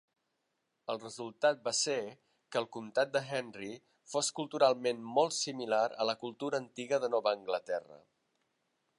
El resultat va ser que el comtat de Henry fos culturalment molt similar a la cultura antiga de Nova Anglaterra.